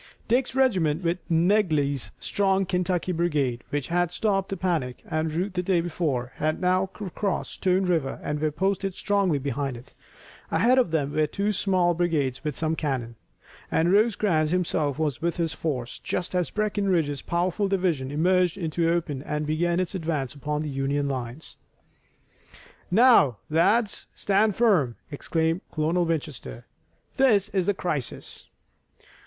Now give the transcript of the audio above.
Dick's regiment with Negley's strong Kentucky brigade, which had stopped the panic and rout the day before, had now recrossed Stone River and were posted strongly behind it. Ahead of them were two small brigades with some cannon, and Rosecrans himself was with this force just as Breckinridge's powerful division emerged into the open and began its advance upon the Union lines. "Now, lads, stand firm!" exclaimed Colonel Winchester. "This is the crisis."